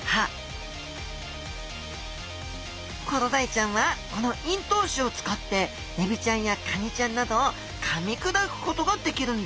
コロダイちゃんはこの咽頭歯を使ってエビちゃんやカニちゃんなどをかみ砕くことができるんです。